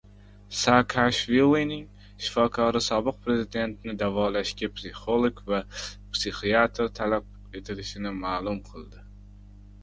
Saakashvilining shifokori sobiq prezidentni davolashga psixolog va psixiatr talab etilishini ma’lum qildi